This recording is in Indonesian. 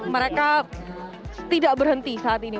mereka tidak berhenti saat ini